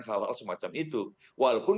hal hal semacam itu walaupun